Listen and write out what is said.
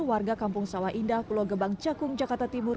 warga kampung sawah indah pulau gebang cakung jakarta timur